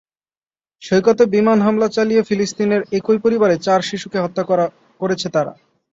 সৈকতে বিমান হামলা চালিয়ে ফিলিস্তিনের একই পরিবারের চার শিশুকে হত্যা করেছে তারা।